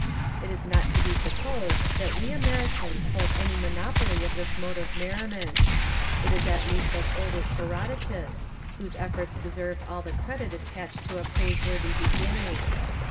It is not to be supposed that' we Americans hold any monopoly of this mode of merriment. It is at least as old as Herodotus, whose efforts deserve all the credit attached to a praiseworthy beginning.